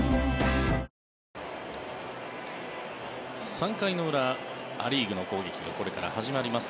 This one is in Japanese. ３回の裏ア・リーグの攻撃がこれから始まります。